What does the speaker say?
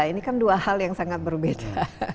ini kan dua hal yang sangat berbeda